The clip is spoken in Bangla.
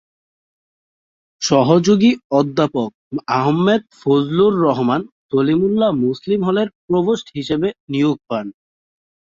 সহযোগী অধ্যাপক আহমেদ ফজলুর রহমান সলিমুল্লাহ মুসলিম হলের প্রভোস্ট হিসাবে নিয়োগ পান।